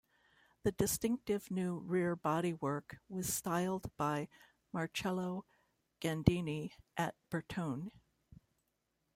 The distinctive new rear bodywork was styled by Marcello Gandini at Bertone.